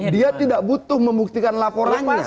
dia tidak butuh membuktikan laporannya